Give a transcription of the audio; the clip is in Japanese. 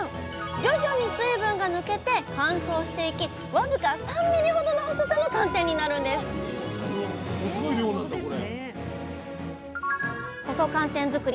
徐々に水分が抜けて乾燥していき僅か３ｍｍほどの細さの寒天になるんです細寒天作り